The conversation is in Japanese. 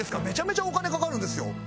めちゃめちゃお金かかるんですよ。